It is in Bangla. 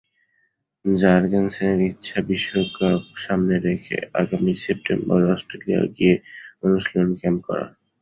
জার্গেনসেনের ইচ্ছা, বিশ্বকাপ সামনে রেখে আগামী সেপ্টেম্বরে অস্ট্রেলিয়ায় গিয়ে অনুশীলন ক্যাম্প করার।